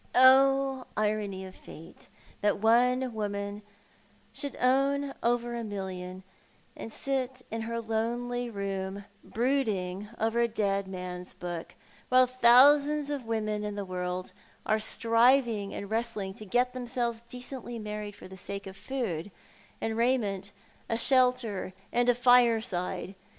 Oh, irony of Fate, that one woman should own over a million, and sit in her lonely room brooding over a dead man's book, while thousands of women in the world are striving and wres tling to yet themselves decently married for the sake of food and raiment, a shelter, and a fireside